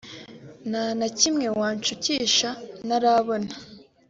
nta na kimwe wanshukisha ntarabona